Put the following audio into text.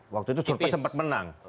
waktu itu survei sempat menang